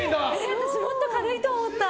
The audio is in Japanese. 私、もっと軽いと思った。